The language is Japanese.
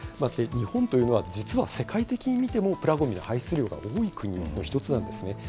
日本というのは、実は世界的に見てもプラごみの排出量が多い国の一つなんですね。